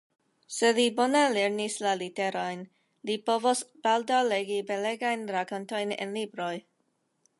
Se li bone lernas la literojn, li povos baldaŭ legi belegajn rakontojn en libroj.